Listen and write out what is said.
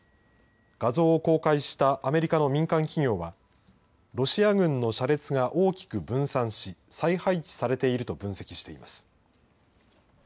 画像を公開したアメリカの民間企業は、ロシア軍の車列が大きく分散し、再配置されていると分析しています。